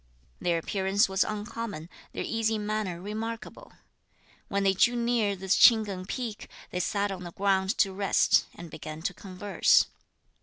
Their appearance was uncommon, their easy manner remarkable. When they drew near this Ch'ing Keng peak, they sat on the ground to rest, and began to converse.